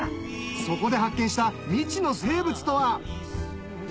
そこで発見した未知の生物とは？